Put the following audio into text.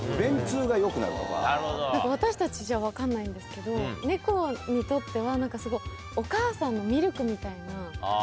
私たちじゃ分かんないんですけどネコにとっては何かすごい。みたいな。